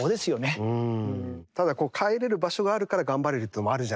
ただ帰れる場所があるから頑張れるっていうのもあるじゃないですか。